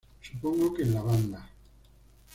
Supongo que en la banda.